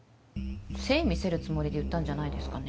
誠意見せるつもりで言ったんじゃないですかね？